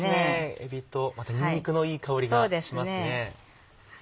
えびとまたにんにくのいい香りがしますね。